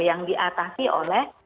yang diatasi oleh